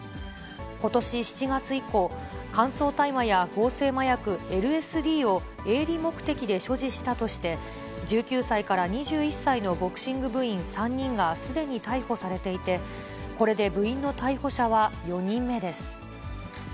ことし７月以降、乾燥大麻や合成麻薬ＬＳＤを、営利目的で所持したとして、１９歳から２１歳のボクシング部員３人がすでに逮捕されていて、これで部員の逮捕者は４人目です。